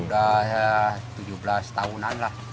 udah ya tujuh belas tahunan lah